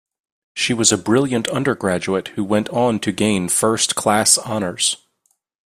She was a brilliant undergraduate who went on to gain first class honours